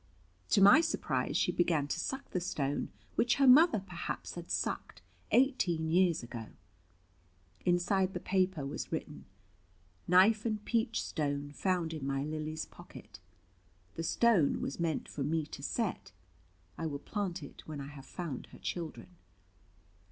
To my surprise she began to suck the stone, which her mother perhaps had sucked, eighteen years ago. Inside the paper was written, "Knife and peach stone found in my Lily's pocket. The stone was meant for me to set. I will plant it, when I have found her children.